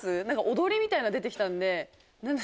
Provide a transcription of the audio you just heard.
踊りみたいなの出てた。